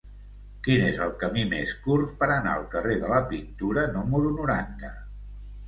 Quin és el camí més curt per anar al carrer de la Pintura número noranta?